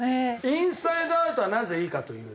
インサイドアウトはなぜいいかというと。